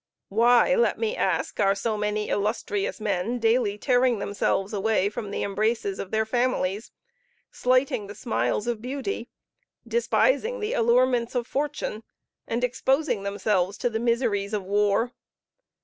Why, let me ask, are so many illustrious men daily tearing themselves away from the embraces of their families, slighting the smiles of beauty, despising the allurements of fortune, and exposing themselves to the miseries of war?